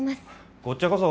こっちゃこそ。